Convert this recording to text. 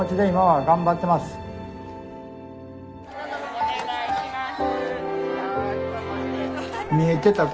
お願いします。